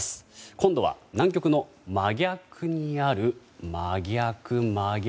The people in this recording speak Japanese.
今度は南極の真逆にある真逆、真逆。